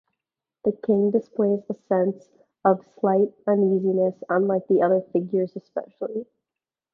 The King displays a sense of slight uneasiness unlike the other figures especially.